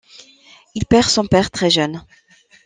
Il perd son père très jeune.